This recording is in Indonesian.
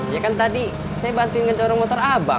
ya kan tadi saya bantuin contoh motor abang